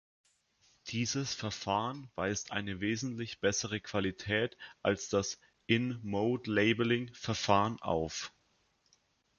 Dieses Verfahren weist eine wesentlich bessere Qualität als das In-Mould-Labeling Verfahren auf.